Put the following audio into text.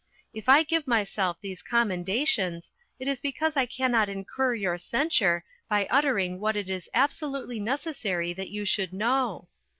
If I give myself these commendations, it is because I cannot incur your censure by uttering what it is absolutely necessary that you should know.